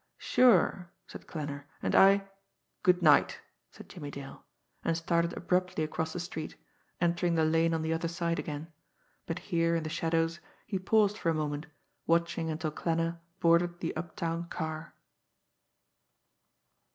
"Sure!" said Klanner. "And I " "Good night," said Jimmie Dale, and started abruptly across the street, entering the lane on the other side again but here, in the shadows, he paused for a moment, watching until Klanner boarded the uptown car.